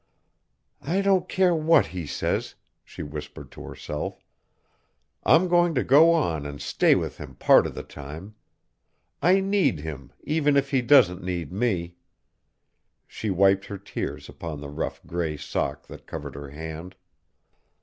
"I don't care what he says," she whispered to herself, "I'm going to go on and stay with him part of the time! I need him even if he doesn't need me." She wiped her tears upon the rough gray sock that covered her hand.